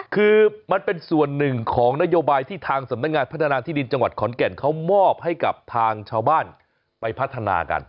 คือมันเป็นส่วนหนึ่งของนโยบายที่ทางสำนักงานพัฒนาที่ดินจังหวัดขอนแก่นเขามอบให้กับทางชาวบ้านไปพัฒนากัน